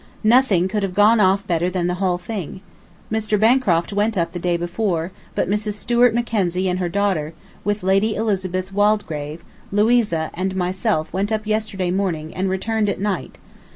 ... Nothing could have gone off better than the whole thing. Mr. Bancroft went up the day before, but Mrs. Stuart Mackenzie and her daughter, with Lady Elizabeth Waldegrave, Louisa, and myself went up yesterday morning and returned at night.